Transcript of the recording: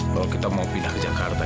bahwa kita mau pindah ke jakarta